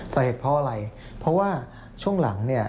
สาเหตุเพราะอะไรเพราะว่าช่วงหลังเนี่ย